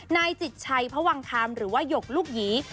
นายจิตชัยพวังคำหรือว่าหยกลูกหยี